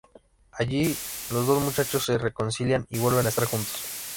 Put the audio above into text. Allí los dos muchachos se reconcilian y vuelven a estar juntos.